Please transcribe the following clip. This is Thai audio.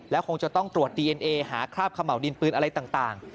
คงจะต้องตรวจดีเอ็นเอหาคราบเขม่าวดินปืนอะไรต่าง